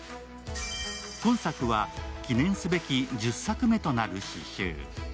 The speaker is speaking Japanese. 今作は記念すべき１０作目となる詩集。